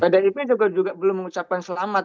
pada ip juga belum mengucapkan selamat